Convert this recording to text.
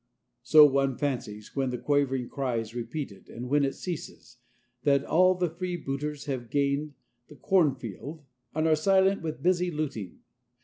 So one fancies, when the quavering cry is repeated and when it ceases, that all the free booters have gained the cornfield and are silent with busy looting.